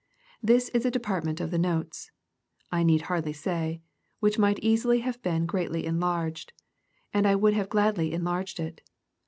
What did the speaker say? This is a department of the notes, I need hardly say, which might easily have been greatly en larged, and I would have gladly enlarged it.